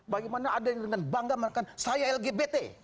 bagaimana ada yang dengan bangga menekan saya lgbt